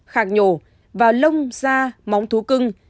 khạc nhổ vào lông da móng thú cưng